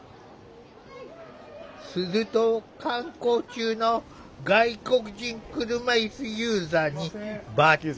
すると観光中の外国人車いすユーザーにばったり！